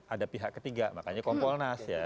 ada pihak ketiga makanya kompolnas ya